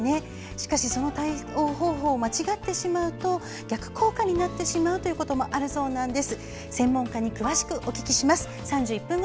しかし、その対応方法を間違ってしまうと逆効果になってしまうこともあるそうなんです。